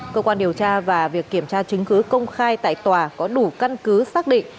cơ quan điều tra và việc kiểm tra chứng cứ công khai tại tòa có đủ căn cứ xác định